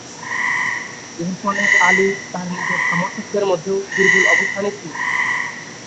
এর ফলে আলী তার নিজের সমর্থকদের মধ্যেও দুর্বল অবস্থানে ছিলেন।